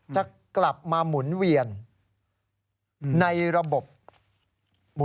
จะกลับมาหมุนเวียนในระบบหมู่